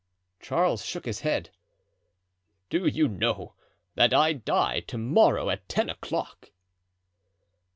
Charles shook his head. "Do you know that I die to morrow at ten o'clock?"